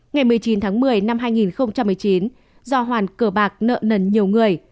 ngày một mươi chín tháng một mươi năm hai nghìn một mươi chín do hoàn cờ bạc nợ nần nhiều người